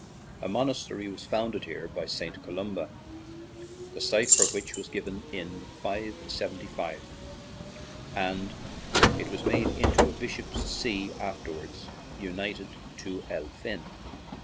A mon astery was founded here by St. Columba, the site for which was given in 575, and it was made into a bishop's see, after wards united to Elphin.